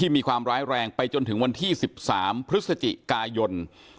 มีความร้ายแรงไปจนถึงวันที่๑๓พฤศจิกายน